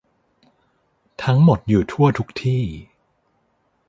ทั้งหมดอยู่ทั่วทุกที่